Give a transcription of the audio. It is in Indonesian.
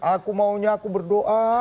aku maunya aku berdoa